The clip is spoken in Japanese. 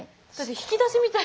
引き出しみたい。